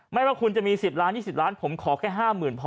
ไม่ว่าคุณจะมี๑๐ล้าน๒๐ล้านผมขอแค่๕๐๐๐พอ